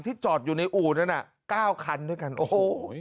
จอดอยู่ในอู่นั้นน่ะเก้าคันด้วยกันโอ้โห